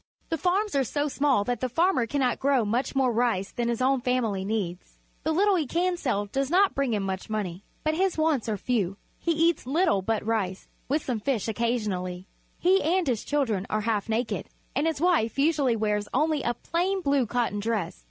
The farms are so small that the farmer cannot grow much more rice than his own family needs. The little he can sell does not bring him much money. But his wants are few. He eats little but rice, with some fish occasionally. He and his children are half naked, and his wife usually wears only a plain blue cotton dress.